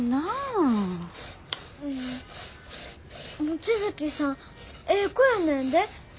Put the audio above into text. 望月さんええ子やねんで。